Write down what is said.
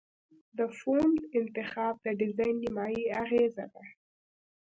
د فونټ انتخاب د ډیزاین نیمایي اغېزه ده.